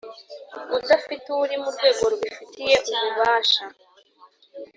udafite uwurimo urwego rubifitiye ububasha